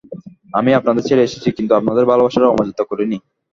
আমি আপনাদের ছেড়ে এসেছি কিন্তু আপনাদের ভালবাসার অমর্যাদা করি নি।